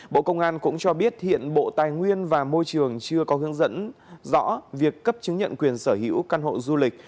bộ công an cũng cho biết hiện bộ tài nguyên và môi trường chưa có hướng dẫn rõ việc cấp chứng nhận quyền sở hữu căn hộ du lịch